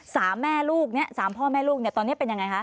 สามแม่ลูกเนี่ยสามพ่อแม่ลูกเนี่ยตอนนี้เป็นยังไงคะ